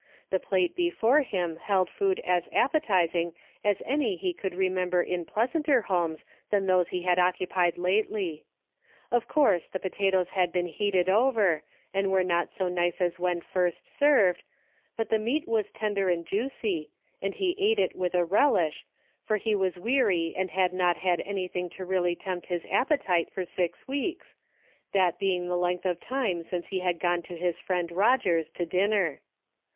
The plate before him held food as appetizing as any he could remember in pleasanter homes than those he had occupied lately. Of course the potatoes had been heated over and were not so nice as when first served, but the meat was tender and juicy, and he ate it with a rel ish, for he was weary and had not had any thing to really tempt his appetite for six weeks, that being the length of time since he had gone to his friend Eoger's, to dinner.